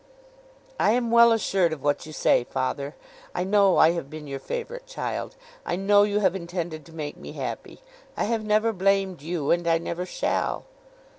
'I am well assured of what you say, father. I know I have been your favourite child. I know you have intended to make me happy. I have never blamed you, and I never shall.